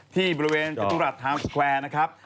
ที่บริเวณจตุรัสไฮมสแควร์นะครับ